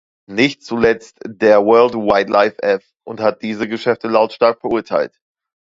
Nicht zuletzt der World Wildlife F- und hat diese Geschäfte lautstark verurteilt.